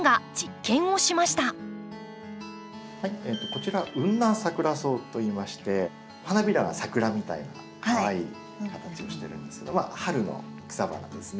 こちらウンナンサクラソウといいまして花びらがサクラみたいなかわいい形をしてるんですけど春の草花ですね。